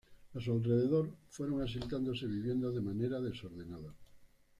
A su alrededor fueron asentándose viviendas de manera desordenada.